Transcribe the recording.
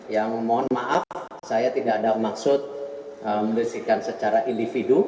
yang mohon maaf saya tidak ada maksud menuliskan secara individu